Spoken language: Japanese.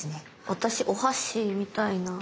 私お箸みたいな。